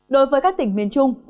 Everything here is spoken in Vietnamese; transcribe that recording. đối với các tỉnh miền trung